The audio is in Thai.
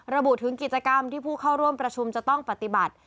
ระบุถึงกิจกรรมที่ผู้เข้าร่วมประชุมจะต้องปฏิบัติ